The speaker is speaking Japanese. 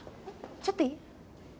ちょっといい？